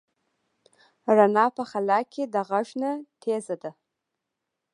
رڼا په خلا کې د غږ نه تېزه ده.